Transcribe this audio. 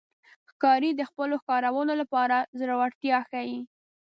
ښکاري د خپلو ښکارونو لپاره زړورتیا ښيي.